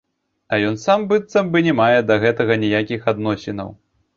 А ён сам быццам бы не мае да гэтага ніякіх адносінаў.